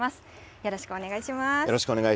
よろしくお願いします。